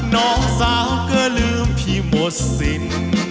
น้องสาวก็ลืมที่หมดสิน